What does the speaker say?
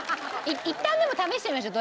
いったんでも試してみましょう。